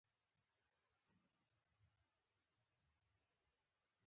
احمدشاه بابا به د ولسواکۍ اصولو ته ژمن و.